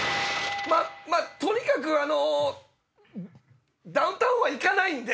とにかくあのダウンタウンは行かないんで！